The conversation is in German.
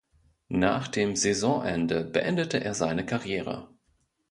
Nach dem Saisonende beendete er seine Karriere.